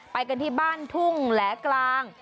ไปกันที่บ้านทุ่งแหลกลาง